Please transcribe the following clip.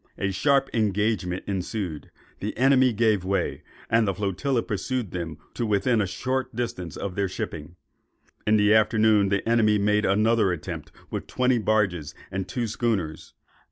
A sharp engagement ensued, the enemy gave way, and the flotilla pursued them to within a short distance of their shipping. In the afternoon, the enemy made another attempt with twenty barges and two schooners.